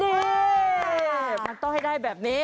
นี่มันต้องให้ได้แบบนี้